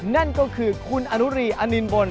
นั่นก็คือคุณอนุรีอนินบน